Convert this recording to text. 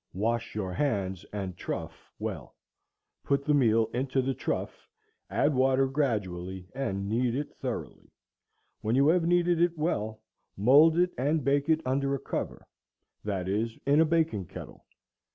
Wash your hands and trough well. Put the meal into the trough, add water gradually, and knead it thoroughly. When you have kneaded it well, mould it, and bake it under a cover," that is, in a baking kettle.